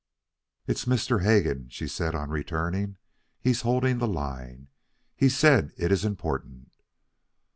"It is Mr. Hegan," she said, on returning. "He is holding the line. He says it is important."